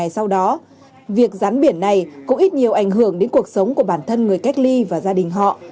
sau đó việc rắn biển này cũng ít nhiều ảnh hưởng đến cuộc sống của bản thân người cách ly và gia đình họ